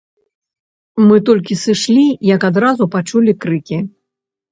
Мы толькі сышлі, як адразу пачулі крыкі.